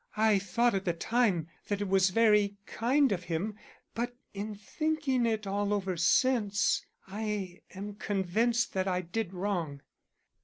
I thought at the time that it was very kind of him, but in thinking it all over since I am convinced that I did wrong.